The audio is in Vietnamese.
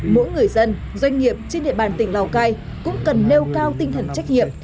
mỗi người dân doanh nghiệp trên địa bàn tỉnh lào cai cũng cần nêu cao tinh thần trách nhiệm